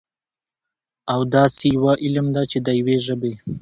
او داسي يوه علم ده، چې د يوي ژبې